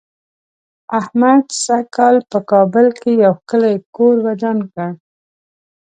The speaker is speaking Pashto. احمد سږ کال په کابل کې یو ښکلی کور ودان کړ.